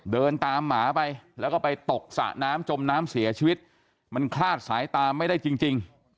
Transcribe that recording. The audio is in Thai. เดินตามหมาไปแล้วก็ไปตกสระน้ำจมน้ำเสียชีวิตมันคลาดสายตาไม่ได้จริง